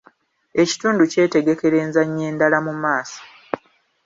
Ekitundu kyetegekera enzannya endala mu maaso.